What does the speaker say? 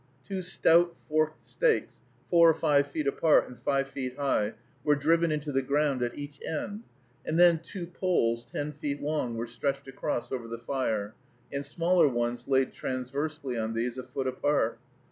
Two stout forked stakes, four or five feet apart and five feet high, were driven into the ground at each end, and then two poles ten feet long were stretched across over the fire, and smaller ones laid transversely on these a foot apart.